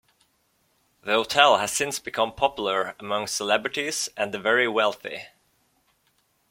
The hotel has since become popular among celebrities and the very wealthy.